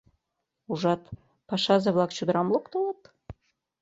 Ужат, пашазе-влак чодырам локтылыт?!